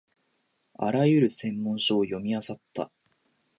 あらゆる専門書を読みあさった